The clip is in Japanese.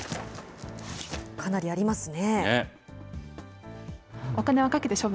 かなりありますね。